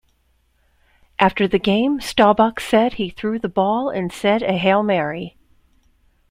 After the game, Staubach said he threw the ball and said a Hail Mary.